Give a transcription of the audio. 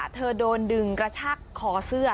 เธอโดนดึงกระชากคอเสื้อ